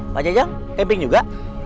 pak jajang camping juga